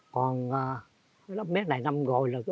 còn mía này năm rồi